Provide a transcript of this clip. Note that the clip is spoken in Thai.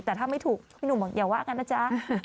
แต่ถ้าไม่ถูกพี่หนุ่มบอกอย่าว่ากันนะจ๊ะ